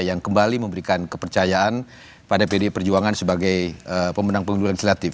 yang kembali memberikan kepercayaan pada pdi perjuangan sebagai pemenang pemilu legislatif